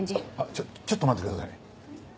ちょっちょっと待ってください。